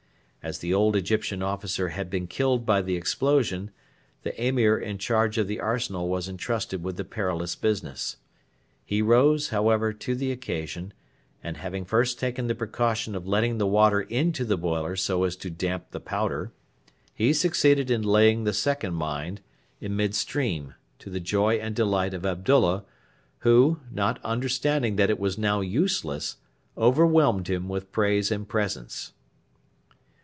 As the old Egyptian officer had been killed by the explosion, the Emir in charge of the arsenal was entrusted with the perilous business. He rose, however, to the occasion, and, having first taken the precaution of letting the water into the boiler so as to damp the powder, he succeeded in laying the second mine in mid stream, to the joy and delight of Abdullah, who, not understanding that it was now useless, overwhelmed him with praise and presents.